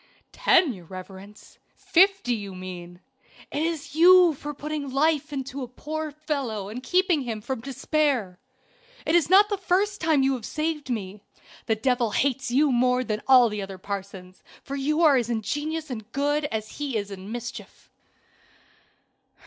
"Ten, your reverence? Fifty, you mean. It is you for putting life into a poor fellow and keeping him from despair. It is not the first time you have saved me. The devil hates you more than all the other parsons, for you are as ingenious in good as he is in mischief."